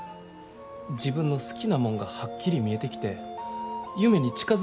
自分の好きなもんがはっきり見えてきて夢に近づいてる気ぃするんや。